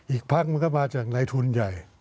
อีกพักมันก็มาจากในทุนใหญ่